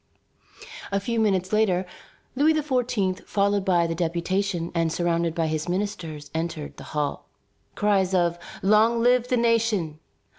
A few minutes later, Louis XVI., followed by the deputation and surrounded by his ministers, entered the hall. Cries of "Long live the nation!